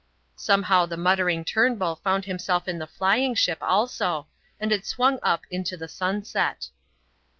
Somehow the muttering Turnbull found himself in the flying ship also, and it swung up into the sunset.